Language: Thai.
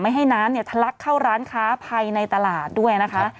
ไม่ให้น้ำทะลักเข้าร้านค้าภัยในตลาดด้วยนะคะ